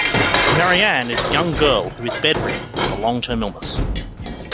Marianne is a young girl who is bedridden with a long-term illness.